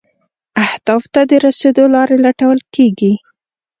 اهدافو ته د رسیدو لارې لټول کیږي.